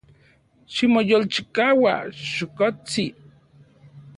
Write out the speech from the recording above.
Ximoyolchikaua, chokotsin.